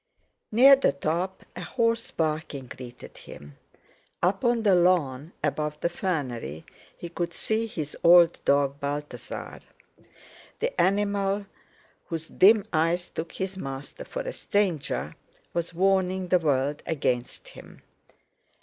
Near the top a hoarse barking greeted him. Up on the lawn above the fernery he could see his old dog Balthasar. The animal, whose dim eyes took his master for a stranger, was warning the world against him.